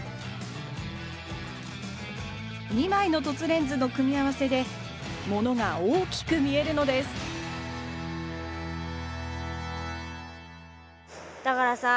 ２枚の凸レンズの組み合わせでものが大きく見えるのですだからさ